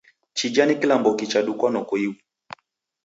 Chija ni kilamboki chadukwa noko ighu?